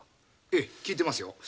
ええ聞いてますよ。